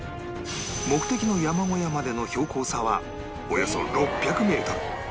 目的の山小屋までの標高差はおよそ６００メートル